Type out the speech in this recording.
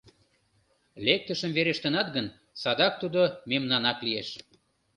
Лектышым верештынат гын, садак тудо мемнанак лиеш.